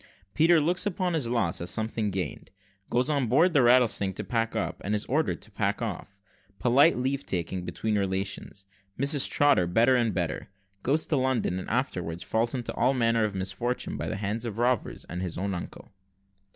PETER LOOKS UPON HIS LOSS AS SOMETHING GAINED GOES ON BOARD THE "Rattlesnake" TO PACK UP, AND IS ORDERED TO PACK OFF POLITE LEAVE TAKING BETWEEN RELATIONS MRS. TROTTER BETTER AND BETTER GOES TO LONDON, AND AFTERWARDS FALLS INTO ALL MANNER OF MISFORTUNES BY THE HANDS OF ROBBERS, AND OF HIS OWN UNCLE.